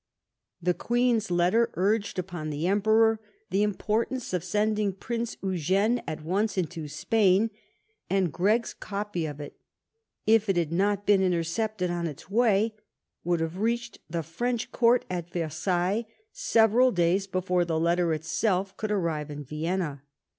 The Queen's letter urged upon the Emperor the importance of sending Prince Eugene at once into Spain, and Gregg's copy of it, if it had not been intercepted on its way, would have reached the French court at Versailles several days before the letter itself could arrive in Vienna.